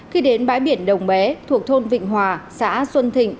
khi đến bãi biển đồng bé thuộc thôn vịnh hòa xã xuân thịnh